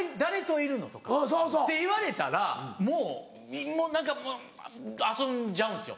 言われたらもう何か遊んじゃうんですよ。